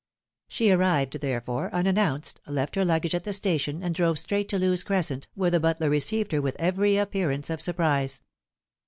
She arrived, therefore, unannounced, left her luggage at the station, and drove straight to Lewes Crescent, where the butler received her with every appearance of surprise.